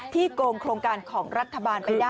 โกงโครงการของรัฐบาลไปได้